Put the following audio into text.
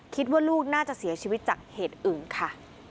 คิดว่าลูกน่าจะเสียชีวิตจากเหตุอื่นค่ะ